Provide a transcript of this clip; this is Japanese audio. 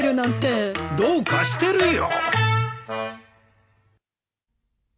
どうかしてるよ。